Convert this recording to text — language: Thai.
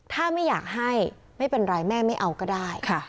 ถ้าไม่อยากให้ไม่เป็นไรแม่ไม่เอาก็ได้